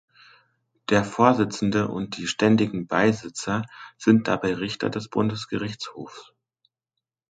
Der Vorsitzende und die ständigen Beisitzer sind dabei Richter des Bundesgerichtshofs.